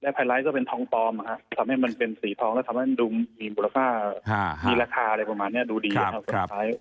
แร่ไพไลท์ก็เป็นทองปลอมนะครับทำให้มันเป็นสีทองและทำให้มีราคาอะไรประมาณนี้ดูดีนะครับ